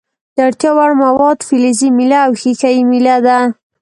د اړتیا وړ مواد فلزي میله او ښيښه یي میله ده.